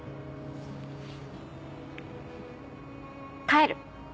帰る。